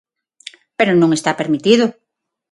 Pero non está permitido.